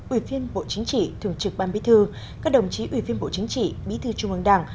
ủy viên bộ chính trị thường trực ban bí thư các đồng chí ủy viên bộ chính trị bí thư trung ương đảng